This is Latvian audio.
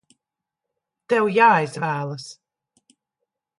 Tev jāizvēlas!